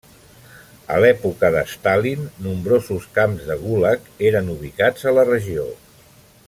A l'època de Stalin, nombrosos camps de Gulag eren ubicats a la regió.